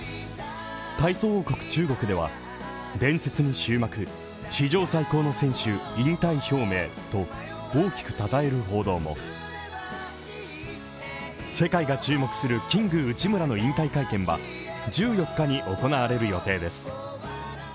体操王国、中国では伝説に終幕史上最高の選手引退表明と大きくたたえる報道も世界が注目するキング内村の引退会見は１４日に行われる予定です。